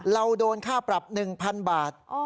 เราโดนค่าปรับหนึ่งพันบาทอ้อ